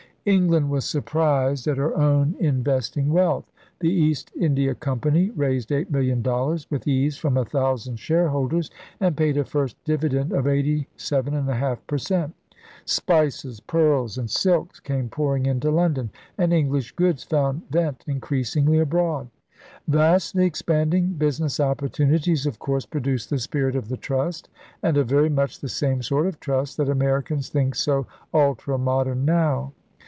England was surprised at her own investing wealth. The East India Company raised eight million dollars with ease from a thousand shareholders and paid a first dividend of 87j^ per cent. Spices, pearls, and silks came pouring into London; and English goods found vent increasingly abroad. Vastly expanding business opportunities of course produced the spirit of the trust — and of very much the same sort of trust that Americans think so ultra modern now.